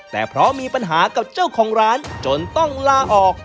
แต่เพราะมีปัญหากับเจ้าของร้านจนต้องลาออก